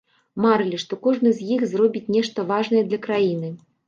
Марылі, што кожны з іх зробіць нешта важнае для краіны.